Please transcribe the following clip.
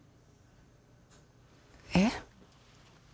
えっ？